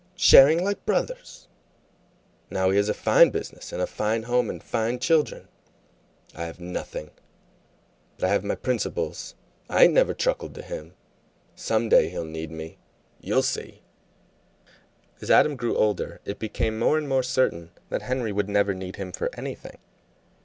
"Sharing like brothers! Now he has a fine business and a fine house and fine children, and I have nothing. But I have my principles. I ain't never truckled to him. Some day he'll need me, you'll see!" As Adam grew older, it became more and more certain that Henry would never need him for anything.